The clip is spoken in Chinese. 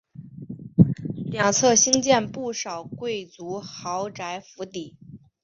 两侧兴建不少贵族豪宅府邸。